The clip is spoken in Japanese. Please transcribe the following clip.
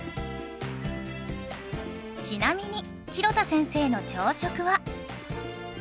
ちなみに廣田先生の朝食は